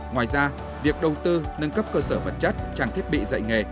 ngoài ra việc đầu tư nâng cấp cơ sở vật chất trang thiết bị dạy nghề